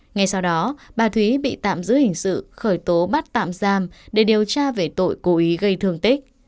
ngay sau đó bà thúy bị tạm giữ hình sự khởi tố bắt tạm giam để điều tra về tội cố ý gây thương tích